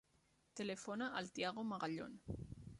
Telefona al Thiago Magallon.